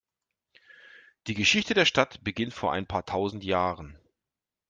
Die Geschichte der Stadt beginnt vor ein paar tausend Jahren.